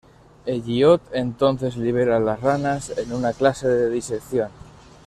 Elliott entonces libera las ranas en una clase de disección.